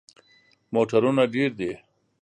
موټرونه ډیر دي